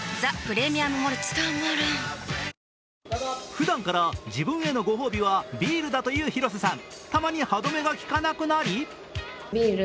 ふだんから自分へのご褒美はビールだという広瀬さん。